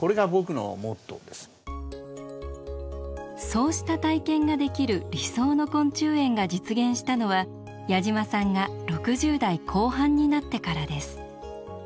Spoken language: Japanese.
そうした体験ができる理想の昆虫園が実現したのは矢島さんが６０代後半になってからです。